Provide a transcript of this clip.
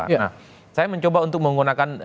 nah saya mencoba untuk menggunakan